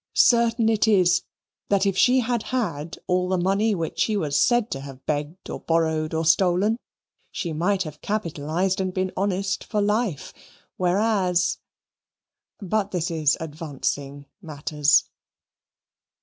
Certain it is that if she had had all the money which she was said to have begged or borrowed or stolen, she might have capitalized and been honest for life, whereas, but this is advancing matters.